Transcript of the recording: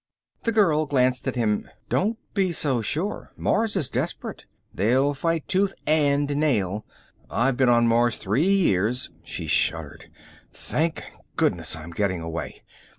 The girl glanced at him. "Don't be so sure. Mars is desperate. They'll fight tooth and nail. I've been on Mars three years." She shuddered. "Thank goodness I'm getting away.